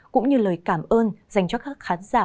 cũng như lời cảm ơn dành cho các khán giả